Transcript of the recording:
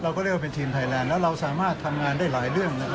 เรียกว่าเป็นทีมไทยแลนด์แล้วเราสามารถทำงานได้หลายเรื่อง